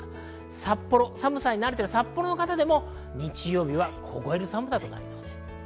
札幌は寒さに慣れている方でも日曜日は凍える寒さとなりそうです。